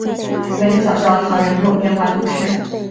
戈捷小教堂人口变化图示